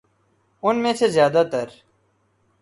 ان میں سے زیادہ تر